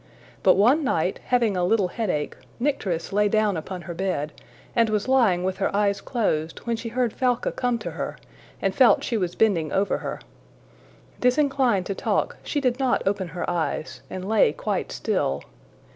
But one night, having a little headache, Nycteris lay down upon her bed, and was lying with her eyes closed, when she heard Falca come to her, and felt she was bending over her. Disinclined to talk, she did not open her eyes, and lay quite still.